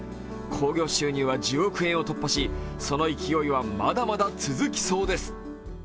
興行収入は１０億円を突破しその勢いはまだまだ続きそうです。